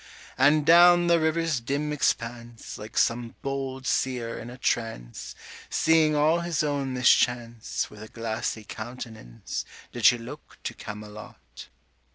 And down the river's dim expanse— Like some bold seer in a trance, Seeing all his own mischance— With a glassy countenance 130 Did she look to Camelot.